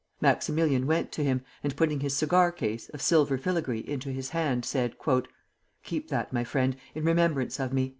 Maximilian went to him, and putting his cigar case, of silver filigree, into his hand, said: "Keep that, my friend, in remembrance of me.